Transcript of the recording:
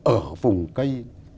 ở vùng cây